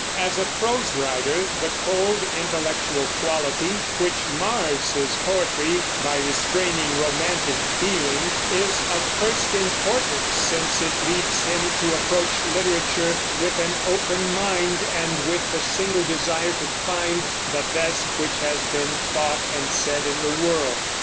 As a prose writer the cold intellectual quality, which mars his poetry by restraining romantic feeling, is of first importance, since it leads him to approach literature with an open mind and with the single desire to find "the best which has been thought and said in the world."